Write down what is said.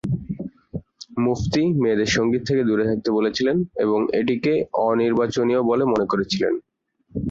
মুফতি মেয়েদের সঙ্গীত থেকে দূরে থাকতে বলেছিলেন এবং এটিকে অনির্বাচনীয় বলে মনে করেছিলেন।